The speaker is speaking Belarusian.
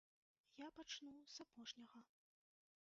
Я пачну з апошняга.